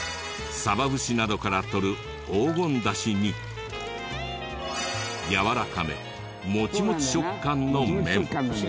サバ節などからとる黄金出汁にやわらかめモチモチ食感の麺。